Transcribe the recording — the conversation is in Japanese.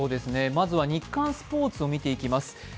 まずは「ニッカンスポーツ」を見ていきます。